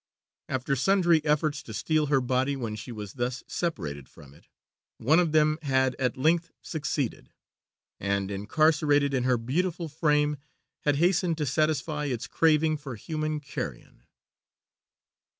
After sundry efforts to steal her body when she was thus separated from it, one of them had at length succeeded, and, incarcerated in her beautiful frame, had hastened to satisfy its craving for human carrion.